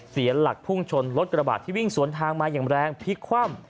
เสียหลักพุ่งชนรถกระบาดที่วิ่งสวนทางมาอย่างแรงพลิกคว่ำ